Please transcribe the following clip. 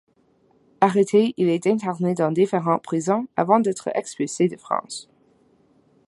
Arrêté, il est interné dans différentes prisons avant d'être expulsé de France.